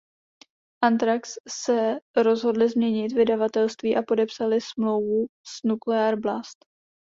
Anthrax se rozhodli změnit vydavatelství a podepsali smlouvu s Nuclear Blast.